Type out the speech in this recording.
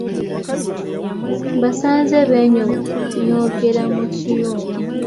Mbasanze beenyonyogerera mu kiyungu.